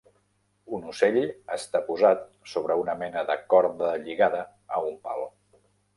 Un ocell està posat sobre una mena de corda lligada a un pal.